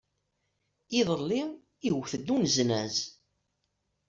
Iḍelli, iwet-d uneznaz.